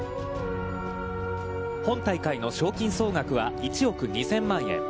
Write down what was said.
本大会の賞金総額は１億２０００万円。